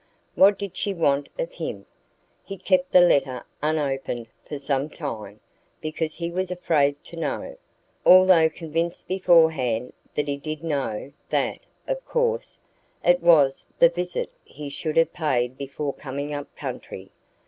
What did she want of him? He kept the letter unopened for some time, because he was afraid to know, although convinced beforehand that he did know that, of course, it was the visit he should have paid before coming up country.